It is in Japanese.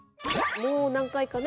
もう何回かね